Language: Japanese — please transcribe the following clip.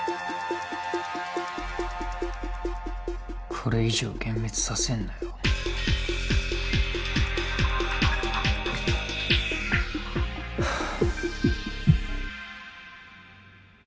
これ以上幻滅させんなよハァ